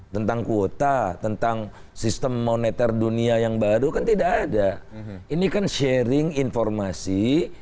tentang kuota tentang sistem moneter dunia yang baru kan tidak ada ini kan sharing informasi